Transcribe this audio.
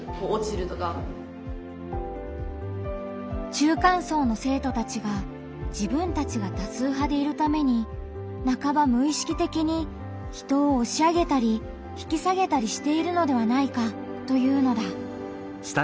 中間層の生徒たちが自分たちが多数派でいるために半ば無意識的に人を押し上げたり引き下げたりしているのではないかというのだ。